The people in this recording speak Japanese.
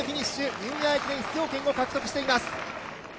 ニューイヤー駅伝出場権を獲得しています。